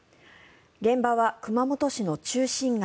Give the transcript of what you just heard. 現場は熊本市の中心街